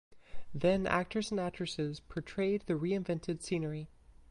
Then actors and actresses portrayed the reinvented scenery.